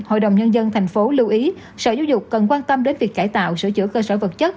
cộng đồng nhân dân thành phố lưu ý sở giáo dục cần quan tâm đến việc cải tạo sửa chữa cơ sở vật chất